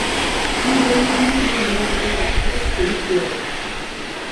ئەڭ بولمىغاندا مەن يىراقتىن باشقۇرۇپ ئۇيۇپ بېرەي.